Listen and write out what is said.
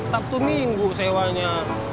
sabtu minggu sewanya